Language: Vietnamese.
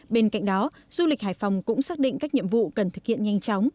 bên cạnh đó du lịch hải phòng cũng xác định các nhiệm vụ cần thực hiện nhanh chóng